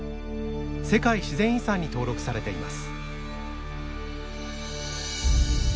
世界自然遺産に登録されています。